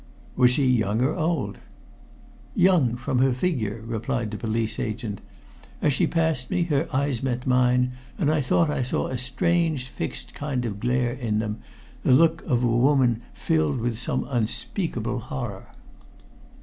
"Was she young or old?" "Young from her figure," replied the police agent. "As she passed me her eyes met mine, and I thought I saw a strange fixed kind of glare in them the look of a woman filled with some unspeakable horror."